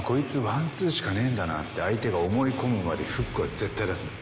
ワンツーしかねえんだなって相手が思い込むまでフックは絶対出すな。